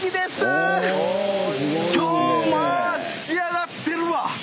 今日まあ仕上がってるわ。